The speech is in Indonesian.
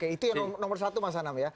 itu yang nomor satu mas anam ya